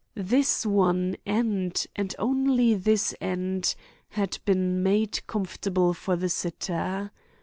This one end and only this end had been made comfortable for the sitter.